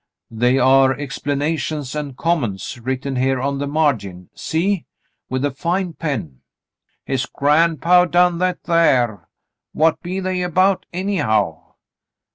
"They are explanations and comments, written here on the margin — see ?— with a fine pen." "His grandpaw done that thar. What be they about, anyhow?"